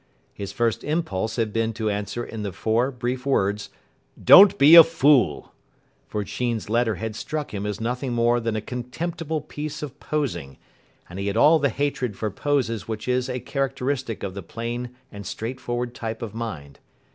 His first impulse had been to answer in the four brief words, "Don't be a fool"; for Sheen's letter had struck him as nothing more than a contemptible piece of posing, and he had all the hatred for poses which is a characteristic of the plain and straightforward type of mind.